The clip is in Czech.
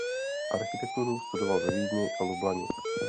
Architekturu studoval ve Vídni a Lublani.